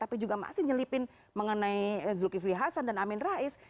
tapi juga masih nyelipin mengenai zulkifli hasan dan amin rais